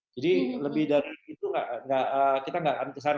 jadi lebih dari itu kita nggak kesana